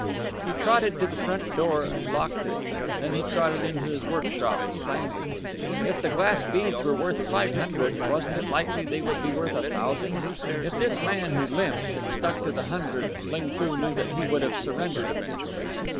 He trotted to the front door and locked it; then he trotted into his workshop, planning. If the glass beads were worth five hundred, wasn't it likely they would be worth a thousand? If this man who limped had stuck to the hundred Ling Foo knew that he would have surrendered eventually.